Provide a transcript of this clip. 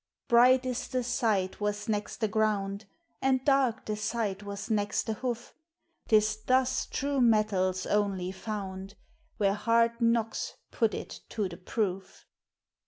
Bright is the side was next the ground, And dark the side was next the hoof; 'Tis thus true metal's only found Where hard knocks put it to the proof.